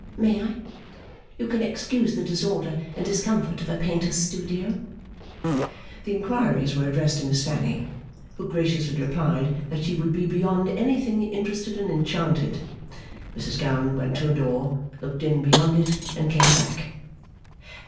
May I? You can excuse the disorder and discomfort of a painter's studio?' The inquiries were addressed to Miss Fanny, who graciously replied that she would be beyond anything interested and enchanted. Mrs Gowan went to a door, looked in beyond it, and came back.